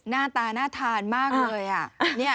หน้าตาน่าทานมากเลย